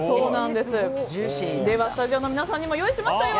ではスタジオの皆さんにも用意しましたよ！